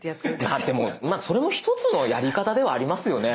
ああでもそれも１つのやり方ではありますよね。